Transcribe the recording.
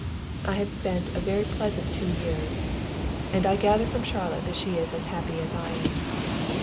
I have spent a very pleasant two years, and I gather from Charlotte that she is as happy as I am.